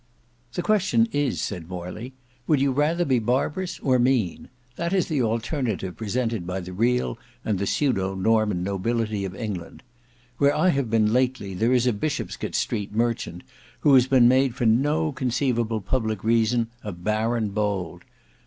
"The question is," said Morley, "would you rather be barbarous or mean; that is the alternative presented by the real and the pseudo Norman nobility of England. Where I have been lately, there is a Bishopsgate Street merchant who has been made for no conceiveable public reason a baron bold.